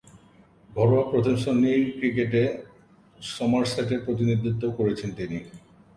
ঘরোয়া প্রথম-শ্রেণীর ক্রিকেটে সমারসেটের প্রতিনিধিত্ব করেছেন তিনি।